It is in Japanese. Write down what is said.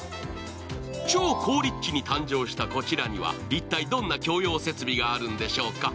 超好立地に誕生したこちらには一体どんな共用設備があるんでしょうか。